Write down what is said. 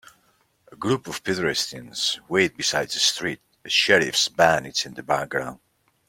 A group of pedestrians wait beside a street a sheriff 's van in the background.